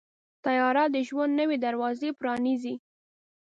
طیاره د ژوند نوې دروازې پرانیزي.